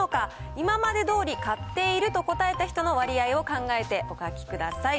今までどおり買っていると答えた人の割合を考えてお書きください。